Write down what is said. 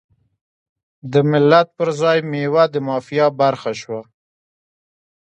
د ملت پر ځای میوه د مافیا برخه شوه.